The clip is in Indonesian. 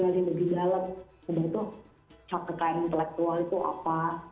di dalam yaitu hak kekayaan intelektual itu apa